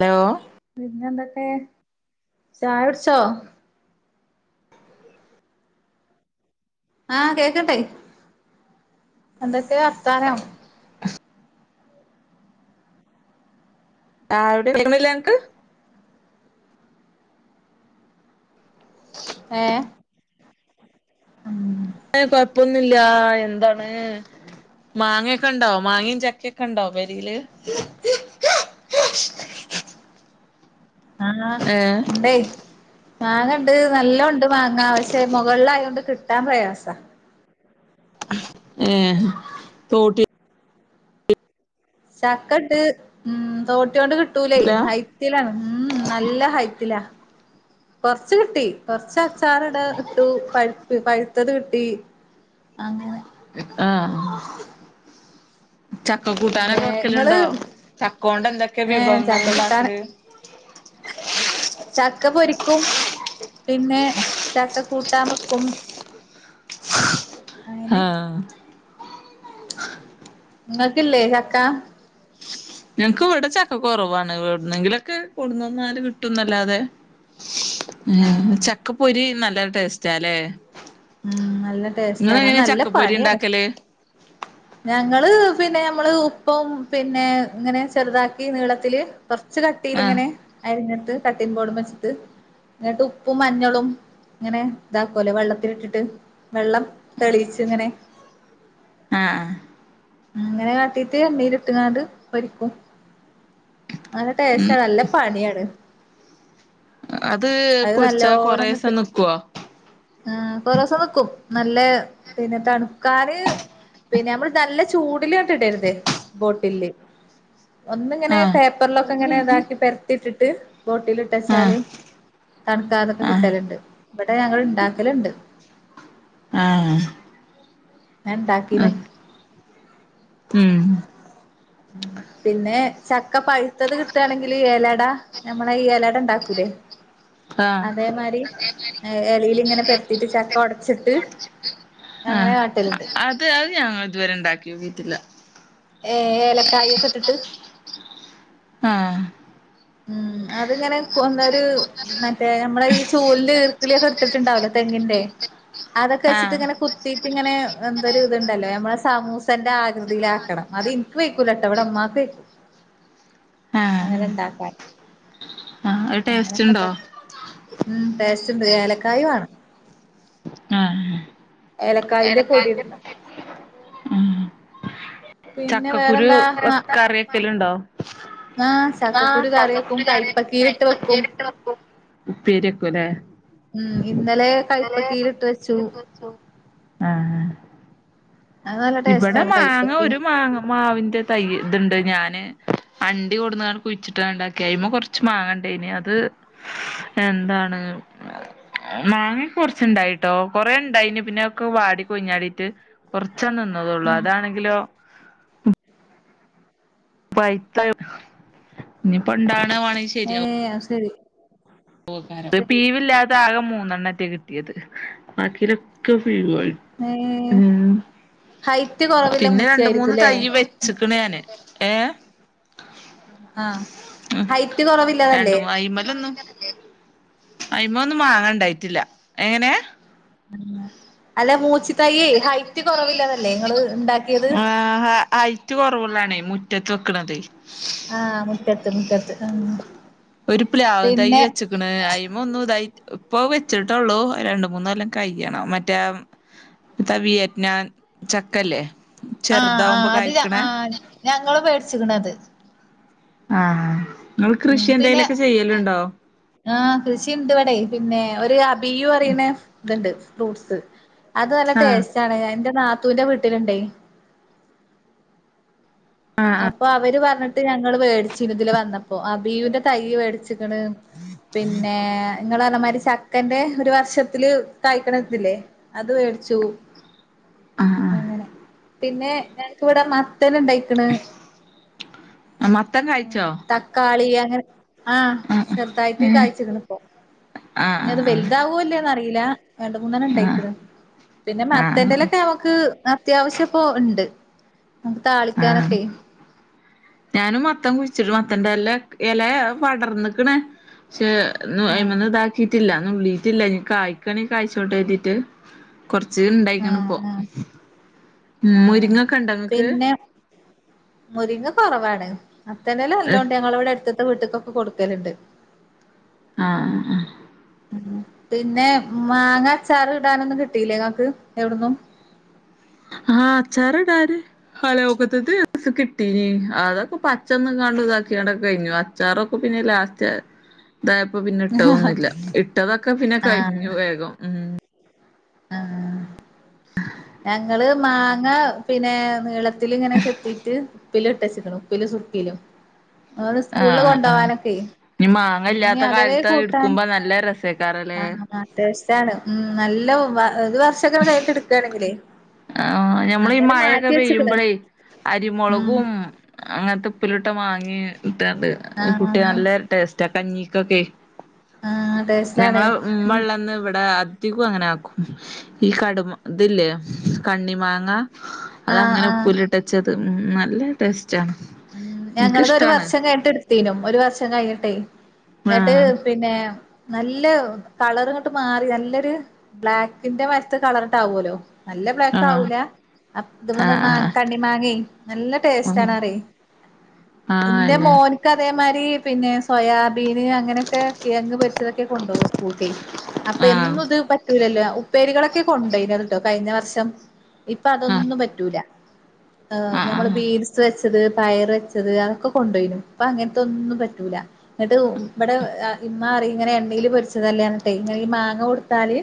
Hello പിന്നെ എന്തൊക്കെ ചായ കുടിച്ചോ? ആഹ് കേൾക്ക്‌ണ്ട് എന്തൊക്കെ വർത്താനം? ആവിടെ കേൾക്കണില്ലേ അൻക്ക് ഏഹ് ഉം അയ്‌ന് കൊഴപ്പൊന്നില്ല എന്താണ് മാങ്ങൊക്കെ ഉണ്ടോ മാങ്ങയും ചക്കയൊക്കെ ഉണ്ടോ പെരീല്? ആഹ് ഏ ഇണ്ടേയ് മാങ്ങണ്ട് നല്ലോ ണ്ട് മാങ്ങ പക്ഷേ മുകളില് ആയോണ്ട് കിട്ടാൻ പ്രയാസ ഏഹ് തോട്ടി ചക്ക ഇട്ട് ഉം തോട്ടിയോണ്ട് കിട്ടൂലേയ് അയ് ഉം ഉം നല്ല ഹൈറ്റിലാ കൊറച്ച് കിട്ടി കൊറച്ച അച്ചാർ ഇട ഇട്ടു പഴുപ്പ് പഴുത്തത് കിട്ടി അങ്ങനെ ആഹ് ആഹ് ചക്ക പിന്നെ കൂട്ടാനൊക്കെ ഇങ്ങള് വെക്കലുണ്ടോ ചക്ക കൊണ്ട് എന്തൊക്കെ ഏ വിഭവങ്ങള് ചക്ക കൂട്ടാന് ഉണ്ടാക്കല്? ചക്ക പൊരിക്കും പിന്നെ ചക്ക കൂട്ടാം വെക്കും അങ്ങനെ ആഹ് ഇങ്ങക്കില്ലേ ചക്ക? ഞങ്ങക്ക് ഇവടെ ചക്ക കോറവാണ് എവ്ടുന്നെങ്കിലൊക്കെ കൊടുന്നുന്നാല് കിട്ടുംന്നല്ലാതെ ഏഹ് ആഹ് ചക്കപ്പൊരി നല്ല ടേസ്റ്റാലെ? ഉം നല്ല ഇങ്ങള് ടേസ്റ്റാണ് എങ്ങനെ നല്ല ചക്കപ്പൊരി പണിയാണ് ഇണ്ടാക്കല്? ഞങ്ങള് പിന്നെ അമ്മള് ഉപ്പും പിന്നെ ഇങ്ങനെ ചെറുതാക്കി നീളത്തില് കൊർച്ച് ആഹ് കട്ടീല്ങ്ങനെ അരിഞ്ഞിട്ട് കട്ടിം ബോഡ്‌മെ വെച്ചിട്ട് ഇന്നട്ട് ഉപ്പും, മഞ്ഞളും ഇങ്ങനെ ഇതാക്കുല്ലേ വെള്ളത്തിലിട്ടിട്ട് വെള്ളം തെളീച്ച് ഇങ്ങനെ ആഹ് ആഹ് അങ്ങനെ കാട്ടീട്ട് എണ്ണീല് ഇട്ട്ക്കാണ്ട് പൊരിക്കും നല്ല ടേസ്റ്റാണ് നല്ല പണിയാണ് അത് പൊരിച്ചാ കൊറേസം നിക്കോ? ആഹ് കൊറേസം നിക്കും നല്ല പിന്നെ തണുക്കാന് പിന്നെ നമ്മള് നല്ല ചൂടിലണ്ട് ഇടരുത് ബോട്ടില്ല് ഒന്നങ്ങനെ ആഹ് പേ പ്പർലൊക്കെ ഇങ്ങനെ ഇതാക്കി പെരത്തിട്ടിട്ട് ബോട്ടില് ആഹ് ഇട്ടച്ചാല് തൺക്കാതെക്കെ ആഹ് കിട്ടല്ണ്ട് ഇവടെ ഞങ്ങള് ഇണ്ടാക്കല്ണ്ട് ആഹ് ഞാൻണ്ടാക്കീനു ഉം ഉം പിന്നെ ചക്ക പഴുത്തത് കിട്ടാണെങ്കില് എലട നമ്മളെ ഈ എലട ഇണ്ടാക്കൂലേ ആഹ് അതേ മാരി എലീല്ങ്ങനെ പെര്ത്തീട്ട് ചക്ക ഒടച്ച്ട്ട് അങ്ങനെ ആഹ് കാട്ടല്ണ്ട് അത് അത് ഞങ്ങള് ഇതുവരെ ഇണ്ടാക്കി നോക്കിട്ടില്ല ഏഹ് ഏലക്കായിക്കെ ഇട്ടിട്ട് ആഹ് ഉം അത് ഇങ്ങനെ കൊന്നരു മറ്റേ നമ്മളെ ഈ ചൂലിന്റെ ഈർക്കിളിയൊക്കെ ഇട്ത്തിട്ടുണ്ടാവുലെ തെങ്ങിന്റെ അതക്കെ വെച്ചിട്ട് ആഹ് ഇങ്ങനെ കുത്തീട്ട് ഇങ്ങനെ എന്തൊരു ഇത്ണ്ടല്ലോ നമ്മളെ സമൂസന്റെ ആകൃതിയിലാക്കണം അത് ഇൻക് വൈക്കൂലട്ടോ ഇവടെ ഇമ്മാക്ക് വൈക്കും [inaudible] ആഹ് അങ്ങനെ ഇണ്ടാക്കാന് ആഹ് അത് ടേസ്റ്റ് അങ്ങനൊക്കെ ഇണ്ടോ ഇണ്ടാ‌ക്കി ഉം ടേസ്റ്റ്ണ്ട് ഏലക്കായി വാണം ആഹ് ഏലക്കായിന്റെ പൊടി [unintelligible] ഉം പിന്നെ ചക്കക്കുരു വേറെന്താ മ കറിക്കലുണ്ടോ? ആഹ് ആഹ് ചക്കക്കുരു കറി വെക്കും ചക്കക്കുരു കറി കൈപ്പക്കീലിട്ട് വെക്കും കൈപ്പങ്ങേല്ട്ട് വെക്കും ഉപ്പേരിക്കുല്ലേ ഉം ഇന്നലെ കൈപ്പ‌ത്തിലിട്ട് വെച്ചു അത് നല്ല ഇവടെ ടേസ്റ്റാണ് മാങ്ങ കൈപ്പക്കീ ഒരു മാങ്ങ മാവിന്റെ തൈ ഇത്ണ്ട് ഞാന് അണ്ടി കൊട്ന്നാണ്ട് കുഴിച്ചിട്ടാണ്ട് ഇണ്ടാക്കിയാ അയ്മ കൊർച്ച് മാങ്ങണ്ടേന് അത് എന്താണ് മാങ്ങക്കേ കൊർച്ച് ഇണ്ടായിട്ടോ കൊറേ ഇണ്ടായിന് പിന്നെ ഒക്കെ വാടി കൊയ്ഞ്ഞാടിട്ട് [unintelligible] നിന്നതോള്ളൂ ഉം അതാണെങ്കിലോ പൈത്തത് ഇഞ് പ്പം ഇണ്ടാണ [unintelligible] ഏഹേ അഹ്ശരി ഇത് പീവില്ലാതെ ആകെ മൂന്നെണ്ണറ്റെ കിട്ടിയത് ബാക്കി ഇല്ലൊക്കെ ഫീവ്ണ്ണോല് ഏഹ് ഉം ഹൈറ്റ് കൊറവില്ല പിന്നെ രണ്ട് മൂന്ന് മൂച്ചിയായിരിക്കുംല്ലേ തൈ വെ വെച്ചക്ക്ണ് ഞാന് ഏഹേ? ആഹ് ഉം ഹൈറ്റ് രണ്ട് കൊറവില്ലതല്ലേ മുന്ന് അയിമലൊന്നും അയിമ ഒന്നും മാങ്ങ ഇണ്ടായിട്ടില്ല എങ്ങനെ? അല്ല മൂച്ചി തയ്യേ ഹൈറ്റ് കൊറവില്ലതല്ലേ ഇങ്ങള് ഇണ്ടാക്കിയത്? ആഹ് ഹൈറ്റ് കൊറവുള്ളാണേ മുറ്റത്ത് വെക്ക്ണതെ ആഹ് മുറ്റത്ത് മുറ്റത്ത് ആഹ് ഒരു പ്ലാവും തയ്യ് പിന്നെ വെച്ച് ക്ക്ണു അയിമ ഒന്നും ഇതായി ഇപ്പൊ വെച്ചിട്ടൊള്ളു അത് രണ്ട് മൂന്നൊല്ലാം കഴിയണം മറ്റേ എത്ത വിയറ്റ്നാം ചക്കല്ലേ? ആഹ് ആഹ് ചെറുതാവുമ്പോ അത് കായ്ക്ക്ണേ ആഹ് ഞങ്ങളും വേടിച്ച്ക്ക്ണ് അത് ആഹ് ഇങ്ങള് ഉം കൃഷി പിന്നെ എന്തേലൊക്കെ ചെയ്യല്ണ്ടോ? ആഹ് കൃഷിയിണ്ട് ഇവടെ പിന്നെ ഒരു അബിയു പറിയ്ണ ഇത്ണ്ട് ഫ്രൂട്ട്സ് അത് നല്ല ആഹ് ടേസ്റ്റാണ് അത് ഇന്റെ നാത്തൂന്റെ വീട്ടില്ണ്ടേ ആഹ് ആഹ് അപ്പൊ അവര് പറഞ്ഞിട്ട് ഞങ്ങള് വേടിച്ചിന് ഇതില് വന്നപ്പോ അബിയൂന്റെ തൈ വേടിച്ച വേടിച്ച്ക്ക്ണ് പിന്നേ ഇങ്ങള് പർഞ്ഞമാതിരി ചക്കന്റെ ഒരു വർഷത്തില് കാഴ്ക്ക്ണ ഇതില്ലേ അത് വേടിച്ചു ആഹ് ആഹ് അങ്ങനെ പിന്നെ ഞങ്ങക്ക് ഇവടെ മത്തന് ഇണ്ടായിക്ക്ണ് ആഹ് മത്തം കാഴിച്ചോ? തക്കാളി അങ്ങനെ ആഹ് ചെറുതായിട്ട് ഏഹ് കായ്ച്ചിക്ക്ണ് ഇപ്പം ആഹ് ഇഞ്ഞത് ആഹ് വലുതാവോ ഇല്ലേന്ന് അറീല്ല രണ്ട് മൂന്നണ്ണം ആഹ് ഇണ്ടായിക്ക്ണ് പിന്നെ ആഹ് മത്തന്റെ ആഹ് എലൊക്കെ നമ്മക്ക് അത്യാവിശ്യപ്പോ ഇണ്ട് നമക്ക് ആഹ് താളിക്കാനൊക്കെ ഞാനും മത്തം കുഴിച്ചിട്ട് മത്തന്റെല്ല എല പടർന്ന്ക്ക്ണ് പക്ഷെ ആഹ് അയിമന്ന് ഇതാക്കിയിട്ടില്ല നുള്ളിയിട്ടില്ല ഇഞ് കായ്ക്കാണെങ്കി കഴ്ച്ചോട്ടെ കര്തിയിട്ട് കൊറച്ച് ആഹ് ഇണ്ടായിക്ക്ണ്പ്പം ആഹ് ഉം ആഹ് മുരിങ്ങൊക്കെ ഇണ്ടോ? ഇങ്ങക്ക്? പിന്നെ മുരിങ്ങ കൊറവാണ് മത്തന്റെ എല നല്ലോണ്ട് ഞങ്ങളവടെ എടു ത്തെ വീട്ട്ക്കൊക്കെ കൊടുക്കല്ണ്ട് ആഹ് ആഹ് ഉം പിന്നെ മാങ്ങ അച്ചാറ് ഇടാനൊന്നും കിട്ടിയില്ലേ ഇങ്ങക്ക് എവിട്ന്നും? ആഹ് അച്ചാറ് ഇടാന് അയ്ലോക്കത്ത്ത്തെ ഒരീസം കിട്ടീനി അതൊക്കെ പച്ച തിന്ന്ങ്ങാണ്ട് ഇതാക്കിങ്ങാണ്ടക്കെ കഴിഞ്ഞു അച്ചാറൊക്കെ പിന്നെ ലാസ്റ്റ് ആയി ഇതായപ്പോ പിന്നെ ഇട്ടതൊന്നില്ല ഇട്ടതൊക്കെ പിന്നെ കഴിഞ്ഞു ആഹ് വേഗം ഉം ആഹ് ഞങ്ങള് മാങ്ങ പിന്നെ നീളത്തില് ഇങ്ങനെ ചെത്തിയിട്ട് ഉപ്പില് ഇട്ടച്ച്ക്ക്ണു ഉപ്പില് സുർക്കിലും ഓന് സ്കൂളില് കൊണ്ടോവാനൊക്കെ ഇഞ്ഞ് മാങ്ങ ഇനി ഇല്ലാത്ത അഥവേ കാലത്ത് അത് കൂട്ടാൻ ഇടുക്കുമ്പോ നല്ല രസേക്കാരലേ? ആഹ് ടേസ്റ്റാണ് ഉം നല്ല ഒരു വർഷക്കെ കഴിഞ്ഞിട്ട് എടുക്കാണ ആഹ് ഞമ്മള് ഈ മഴയൊക്കെ മാറ്റി വെച്ച്ക്ക്ണ് പെയ്യുമ്പളേ അരി ഉം മൊളകും അങ്ങത്തെ ഉപ്പിലിട്ട മാങ്ങിം ഇട്ടാണ്ട് കൂട്ടിയ ആഹ് നല്ല ടേസ്റ്റ കഞ്ഞീക്കൊക്കെ ആഹ് ടേസ്റ്റാണ് ഞങ്ങളെ ഇമ്മള്ളന്ന് ഇവിടെ അധി അധികും അങ്ങനാക്കും ഈ കടുമ ഇതില്ലേ? കണ്ണി മാങ്ങ? ആഹ് അതങ്ങനെ ആഹ് ഉപ്പിലിട്ട് വെച്ചത് ഉം നല്ല ടേസ്റ്റാണ്. ഉം ഞങ്ങളത് ഒരു എനിക്കിഷ്ടാണ് വർഷം കഴിഞ്ഞിട്ട് ഇട് ത്തീനും ഒരു വർഷം കഴിഞ്ഞിട്ടെ. ഇങ്ങട്ട് ആഹ് പിന്നെ നല്ല കളർ ഇങ്ങട്ട് മാറി നല്ലൊരു ബ്ലാക്കിന്റെ മായിര്ത്തെ കളറ് ങ്ങട്ട് ആവോല്ലോ. നല്ല ആഹ് ബ്ലാക്കാവൂല അത് ഇത് മന്ന് മാ ആഹ് കണ്ണി മാങ്ങേ നല്ല ആഹ് ആഹ് ടേസ്റ്റാണ് പറ്യേ. ആഹ് ഇന്റെ അന്നെ മോൻ ക്ക് അതേമായിരി പിന്നെ സോയാ ബീൻ അങ്ങനൊക്കെ കിഴങ്ങ് പൊരിച്ചതൊക്കെ കൊണ്ടോവാ സ്കൂൾക്കേ. അപ്പൊ ആഹ് എന്നും ഇത് പറ്റൂലല്ലോ ഉപ്പേരികളൊക്കെ കൊണ്ടോയ്ന്യത്ട്ടോ കഴിഞ്ഞ വർഷം. ഇപ്പൊ ആഹ് അതൊന്നും പറ്റൂലാ. ഏഹ് ആഹ് ഞമ്മള് ആഹ് ബീൻസ് വെച്ചത്. പയർ വെച്ചത് അതൊക്കെ കൊണ്ടോയ്നു. ഇപ്പൊ അങ്ങൻത്തൊന്നും പറ്റൂല. ഇന്നട്ട് ഇബടെ ഇമ്മ പറയും ഇങ്ങനെ എണ്ണീല് പൊരിച്ചതല്ലേ പർഞ്ട്ടെ ഇങ്ങനെ ഈ മാങ്ങ കൊടുത്താല്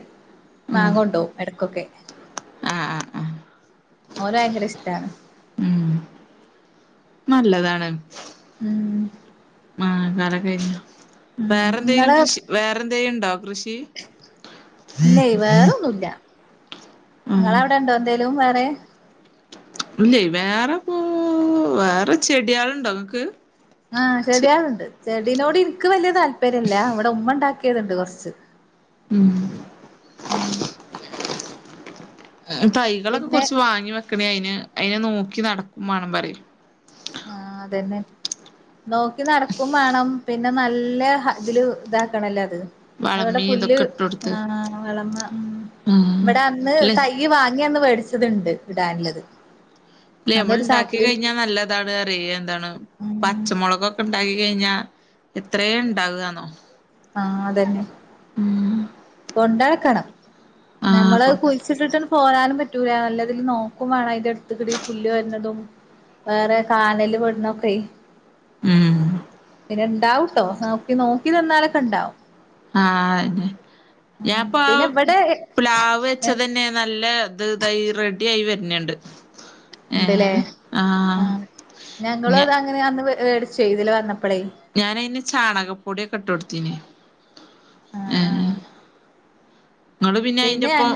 ഉം മാങ്ങൊണ്ടോവും എടക്കൊക്കെ. ആഹ് ആഹ് ആഹ് ഓൻ ഭയങ്കര ഇഷ്ടാണ്. ഉം നല്ലതാണ്. ഉം. മാങ്ങാക്കാലം കെയിഞ്ഞൊ ഉം വേറെന്തെങ്കിലും ഇങ്ങളെ കൃഷി വേറെന്തേങ്കി ണ്ടോ കൃഷി? ഉം ഇങ്ങളെ അവെടെണ്ടോ എന്തേലും വേറെ? ഇല്ലെയ് വേറെപോ വേറെ ചെടിയേള്ണ്ടോ ഇങ്ങക്ക്? ആഹ് ചെടിയേള്ണ്ട് ചെടിനോട് ഇൻക്ക് വല്യ താല്പര്യല്ല. ഇവടെ ഉമ്മണ്ടാക്കിയത്ണ്ട് കൊറച്ച്. ഉം. ഉം ഏഹ് തൈകളൊക്കെ പിന്നെ കൊറച്ച് വാങ്ങി വെക്കണേ അയിന് അയിനെ നോക്കി നടക്കും മാണം പറ്യേ. ആഹ് അതെന്നെ. നോക്കി നടക്കും മാണം പിന്നെ നല്ല ഹ തില് ഇതാക്കണല്ലത്. അവടെ വളമി പുല്ല് ഇതൊക്കെ ഇട്ട് കൊടുത്ത് ആഹ് വളമ ഉം ഉം ഇവടെ അന്ന് അല്ലെ തൈയ്യ് വാങ്ങ്യ അന്ന് വേടിച്ചത് ഇണ്ട് ഇടാന്ല്ലത്. ല്ലേ ഞമ്മള് ഇണ്ടാക്കി ക്കഴിഞ്ഞാ നല്ല താണ് പറ്യേ. യെന്താണ് ഉം പച്ചമൊളകൊക്കെ ഇണ്ടാക്കി കഴിഞ്ഞാ എത്രേ ഇണ്ടാവാന്നോ. ആഹ് അതന്നെ. കൊണ്ടടക്കണം ആഹ് നമ്മളത് കൊ കുഴിച്ചിട്ട്ട്ട് പോരാനും പറ്റൂല നല്ലതിൽ നോക്കും വാണം അയിൻ്റെടുത്ത് കുടി പുല്ല് വര്നതും. വേറെ കാനല് പെട്ണതൊക്കേ. ഉം. പിന്നെ ഇണ്ടാവുട്ടോ നോക്കി നോക്കി നിന്നാലൊക്കെണ്ടാവും. ആഹ് അതെന്നെ. ഞാ ഉം പ്പാ പിന്നെ പ്ലാവ് ഇവിടെ വെച്ചതന്നെ നല്ല ത് തായി റെഡി ആയി വര്ന്ണ്ട്. ഇണ്ട് ലേ. ആഹ് ഞങ്ങളും ഞ അത് അങ്ങനെ അന്ന് വെ വേടിച്ചേ ഇതിലെ വന്നപ്പളേ. ഞാനയിന് ചാണകപ്പൊടിയൊക്കെ ഇട്ടൊടുത്തീനി. ആഹ് ഏഹ്. ആഹ് ഇങ്ങള് പിന്നെ അയിന്റൊപ്പം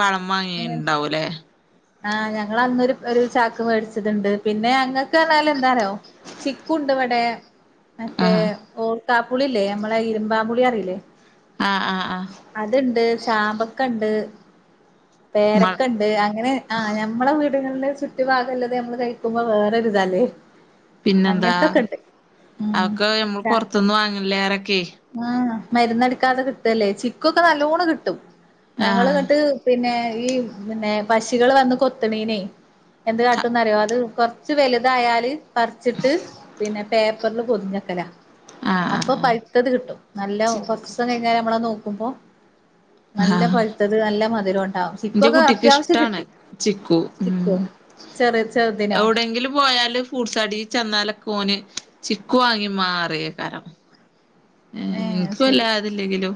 വളം വാങ്ങിയ് ഇണ്ടാവുല്ലേ. ആഹ് ഞങ്ങളന്നൊരു ഒരു ചാക്ക് വേടിച്ചത്ണ്ട് പിന്നെ ഞങ്ങക്ക് പറഞ്ഞാല് എന്താറിയോ? ചിക്കുണ്ട് വടേ മറ്റേ ആഹ് ഓർക്കാപ്പുളില്ലേ നമ്മളെ ഇരുമ്പാമ്പുളി അറീല്ലേ. ആഹ് ആഹ് ആഹ്. അത്ണ്ട് ചാമ്പക്കണ്ട് മ പേരക്കണ്ട് അങ്ങനെ ആഹ് ഞമ്മളെ വീടുകളില് ചുറ്റു ഭാഗല്ലെത് നമ്മള് കഴിക്കുമ്പോ വേറൊരിതാല്ലേ. പിന്നെന്താ ഉം അതൊക്കെ നമ്മള് ച പൊറത്ത്ന്ന് വാങ്ങ് ലേ രക്കെ ആഹ് മരുന്നടിക്കാതെ കിട്ടല്ലേ ചിക്കൊക്കെ നല്ലോണം കിട്ടും ആഹ് ഞങ്ങള്ങ്ങട്ട് പിന്നെ ഈ പിന്നെ പക്ഷികൾ വന്ന് കൊത്ത്ണേയ് നെ എന്ത് ക കാട്ടുംന്നറിയോ അത് കൊറച്ച് വലുതായാല് പറ്ച്ച്ട്ട് പിന്നെ പേപ്പറ്ല് പൊതിഞ്ഞെക്കല ആഹ് അപ്പൊ ആഹ് ആഹ് പഴ്ത്തത് കിട്ടും നല്ല ചി കൊറച്ചൂസം കെയ്ഞ്ഞാല് നമ്മള് നോക്കുമ്പോ നല്ല പഴുത്തത് നല്ല മധുരോണ്ടാവും ന്റെ കുട്ടിക്ക്ഷ്ടാണ് ചിക്കു ചിക്കോ ഉം ചെറ് ചെറുതിനോ എവ്ടെങ്കിലും പോയാലും ഫ്രൂട്സ് കടിൽ ചെന്നാലൊക്കോന് ചിക്കു വാങ്ങി ഇമ്മാ ന്നറിയുക്കാരം ഏഹ് എൻക്ക് ശരി വല്ലാതില്ലെങ്കിലും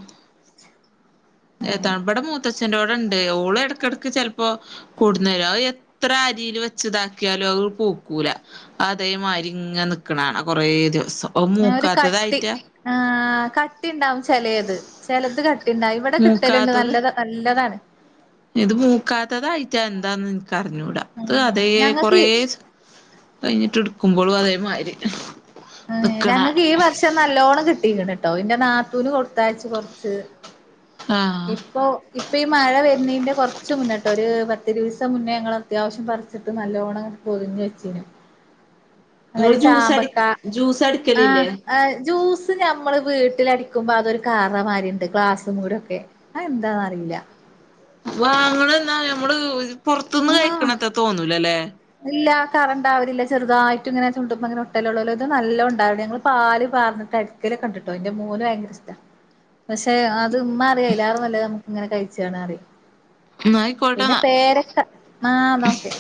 ത വ്ടെ മൂത്ത ച്ഛെൻ്റോടെണ്ട് ഓള് എടക്കെടക്ക് ചെലപ്പോ കൊടുന്നേരും അഹ് എത്ര അരീല് വെച്ച്താക്കിയാലും അഹ് പൗക്കൂല അതേ മാരി ങ്ങ നിക്ക്ണാണ കൊറേ ദിവസം അത് ഒരു കട്ടി മൂക്കാത്തതായിറ്റാ ആഹ് കട്ടിണ്ടാവും ചെലേത് ചെലത് കട്ടിണ്ടാവും ഇവടെ കിട്ടല്ണ്ട് മൂക്കാത്തത് നല്ലത് നല്ലതാണ്. ഇത് മൂക്കാത്തതായിറ്റാ എന്താന്നെനിക്കറിഞ്ഞൂടാ ത് ആഹ് അതേ ഞങ്ങക്ക് കൊറേ ദിസ് കഴിഞ്ഞിട്ട്ട്ക്കുമ്പൊളും അതേ മാരി ഏഹ് ഞങ്ങക്കീ ഈ വർഷം നല്ലോണം കിട്ടീക്ണ് ട്ടോ ഇന്റെ നാത്തൂന് കൊടുത്തയച്ചു കൊറച്ച് കാണാ ആഹ് ഇപ്പൊ ഇപ്പോ ഈ മഴ വരുന്നേന്റെ കൊറച്ച് മുന്നെട്ടോ ഒരു പത്തിരുവീസം മുന്നേ ഞങ്ങളാ അത്യാവശ്യം പറിച്ചിട്ട് നല്ലോണം പൊതിഞ്ഞച്ചീനി നിങ്ങള് അതേമാരി ജ്യൂസ് അടി ചാമ്പക്ക ജ്യൂസ് ആഹ അടിക്കലില്ലേ ആഹ ജൂസ് സ് ഞമ്മള് വീട്ടിലടിക്കുമ്പം അതൊരു കറ മാരിണ്ട് ഗ്ലാസ് മിലെക്കെ അത് എന്താന്നറീല്ല വാങ്ങണ എന്താ നമ്മള് പൊറത്തന്ന് ആഹ് കഴിക്കണത്തത്ര തോന്നൂലല്ലേ ഇല്ല കറണ്ടാവലില്ല ചെറുതായിട്ട് ഇങ്ങനെ ചുണ്ടുമ്മങ്ങനെ ഒട്ടലൊള്ളല്ലോ ഇത് നല്ലൊം ഉണ്ടാവൂലെ ഞങ്ങള് പാല് പാർന്നിട്ടടി ക്കലൊക്കെണ്ടിട്ടോ എന്റെ മോന് ഭയങ്കര ഇഷ്ടാ പക്ഷെ അത് ഉമ്മറിം അയ്ലേറെ നല്ലത് ഞമ്മക്ക് ഇങ്ങനെ കയ്ച്ചാ ണറിം എന്നാ പിന്നെ ആയിക്കോട്ടെന്നാ പേരക്ക ആഹ എന്നാ ഓക്കെ